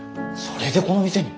それでこの店に？